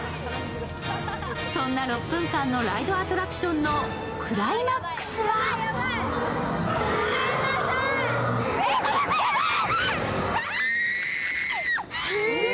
そんな６分間のライドアトラクションのクライマックスは日本の比べものにならない。